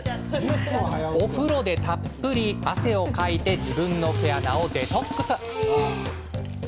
お風呂でたっぷり汗をかいて自分の毛穴をデトックス。